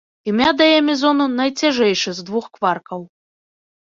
Імя дае мезону найцяжэйшы з двух кваркаў.